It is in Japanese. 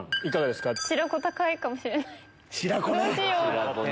いかがですか？